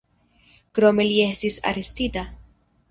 Krome li estis arestita.